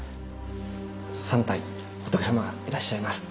３体仏さまがいらっしゃいます。